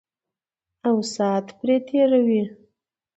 او سات پرې تېروي.